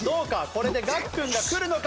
これで楽君がくるのか？